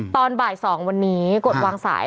ตอนบ่าย๒วันนี้กดวางสาย